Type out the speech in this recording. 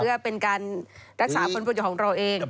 เพื่อเป็นการรักษาผลประโยชน์ของเราเอง